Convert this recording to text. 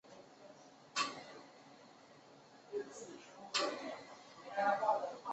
同年起担任全国人大代表。